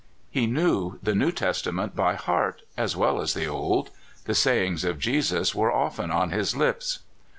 He knew the New Testament by heart, as well as the Old. The sayings of Jesus were often on his lips.